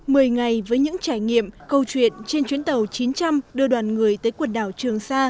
mười ngày với những trải nghiệm câu chuyện trên chuyến tàu chín trăm linh đưa đoàn người tới quần đảo trường sa